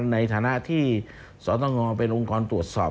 ในฐานะที่สตงเป็นองค์กรตรวจสอบ